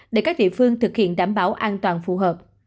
để các địa phương thực hiện đảm bảo an toàn phù hợp